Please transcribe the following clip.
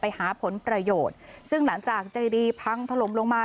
หาผลประโยชน์ซึ่งหลังจากใจดีพังถล่มลงมา